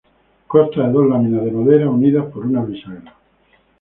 Consta de dos láminas de madera unidas por una bisagra.